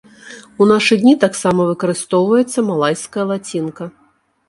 У нашы дні таксама выкарыстоўваецца малайская лацінка.